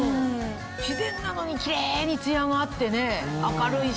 自然なのにキレイにツヤがあって明るいし。